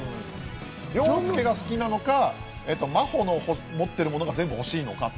凌介が好きなのか、真帆の持ってるものが全部欲しいのか？